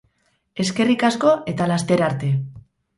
Eskerrik asko eta laster arte.